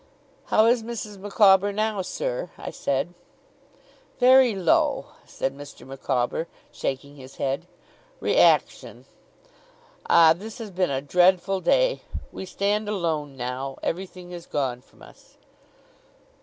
'How is Mrs. Micawber now, sir?' I said. 'Very low,' said Mr. Micawber, shaking his head; 'reaction. Ah, this has been a dreadful day! We stand alone now everything is gone from us!